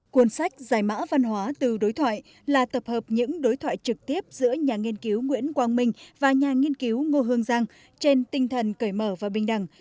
cuốn sách giải mã văn hóa từ đối thoại là tập hợp những đối thoại trực tiếp giữa nhà nghiên cứu nguyễn quang minh và nhà nghiên cứu ngô hương giang trên tinh thần cởi mở và bình đẳng